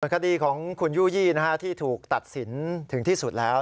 คดีของคุณยู่ยี่ที่ถูกตัดสินถึงที่สุดแล้ว